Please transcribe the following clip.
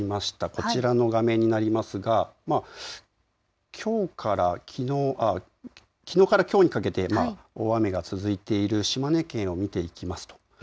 こちらの画面になりますが、きのうからきょうにかけて大雨が続いている島根県を見ていきます。